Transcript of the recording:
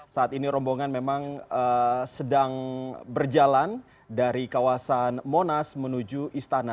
saat ini rombongan memang sedang berjalan dari kawasan monas menuju istana